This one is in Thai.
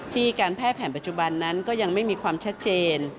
การแพทย์แผนปัจจุบันนั้นก็ยังไม่มีความชัดเจน